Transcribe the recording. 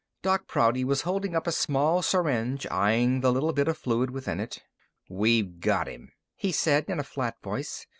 Doc Prouty was holding up a small syringe, eying the little bit of fluid within it. "We've got him," he said in a flat voice.